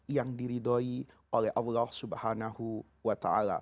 yang diridhoi oleh allah swt